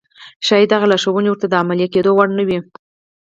ښايي دغه لارښوونې ورته د عملي کېدو وړ نه وي.